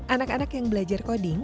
anak anak yang belajar koding